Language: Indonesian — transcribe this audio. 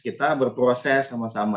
kita berproses sama sama